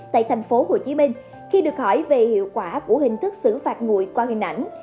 tại thành phố hồ chí minh khi được hỏi về hiệu quả của hình thức xử phạt ngụy qua hình ảnh